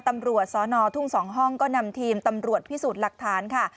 ตำรวจสนทุ่ง๒ห้องก็นำทีมตำรวจพิสูจน์หลักฐานค่ะ